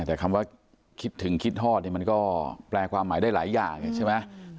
แต่คำว่าคิดถึงคิดทอดเนี่ยมันก็แปลความหมายได้หลายอย่างใช่ไหม